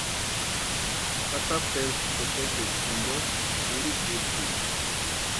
Tata Pedru tekechuecha jimpo purhikusïnti.